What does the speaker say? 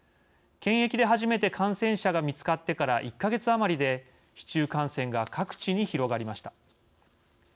検疫で初めて感染者が見つかってから１か月余りで市中感染が各地に広がりました。